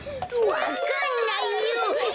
わかんないよ！